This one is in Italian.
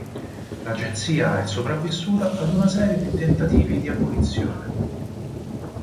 L'Agenzia è sopravvissuta ad una serie di tentativi di abolizione.